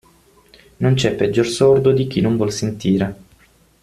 Non c'è peggior sordo di chi non vuol sentire.